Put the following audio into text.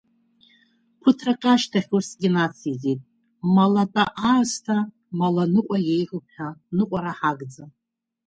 Ԥыҭрак ашьҭахь усгьы нациҵеит, мала тәа аасҭа мала ныҟәа еиӷьуп ҳәа, ныҟәара ҳагӡам…